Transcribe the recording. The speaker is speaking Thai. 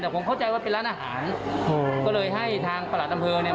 แต่ผมเข้าใจว่าเป็นร้านอาหารก็เลยให้ทางประหลัดอำเภอเนี่ย